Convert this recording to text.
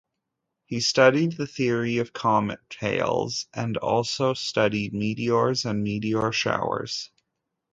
He studied the theory of comet tails, and also studied meteors and meteor showers.